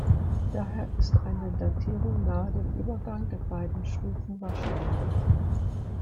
Daher ist eine Datierung nahe dem Übergang der beiden Stufen wahrscheinlich.